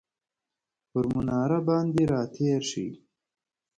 پر مناره باندې راتیرشي،